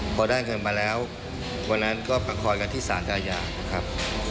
พอได้เงินมาแล้ววันนั้นก็ประคอกันที่สารอาญานะครับ